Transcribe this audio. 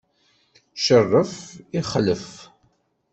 Cerref, ixlef!